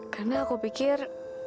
karena aku pikir